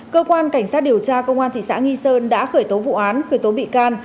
cơ quan cảnh sát điều tra công an thị xã nghi sơn đã khởi tố vụ án khởi tố bị can